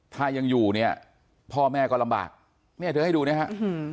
ถ้ายังอยู่เนี่ยพ่อแม่ก็ลำบากเนี่ยเธอให้ดูนะครับ